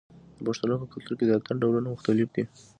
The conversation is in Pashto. د پښتنو په کلتور کې د اتن ډولونه مختلف دي.